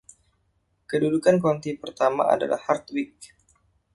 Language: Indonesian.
Kedudukan county pertama adalah Hardwick.